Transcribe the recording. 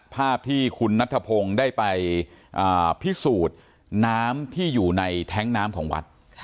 ภาพที่คุณนัทธพงศ์ได้ไปพิสูจน์น้ำที่อยู่ในแท้งน้ำของวัด